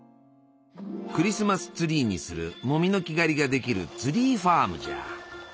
クリスマスツリーにするモミの木刈りができるツリーファームじゃ。